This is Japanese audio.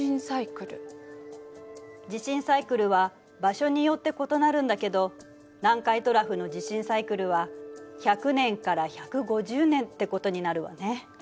地震サイクルは場所によって異なるんだけど南海トラフの地震サイクルは１００年から１５０年ってことになるわね。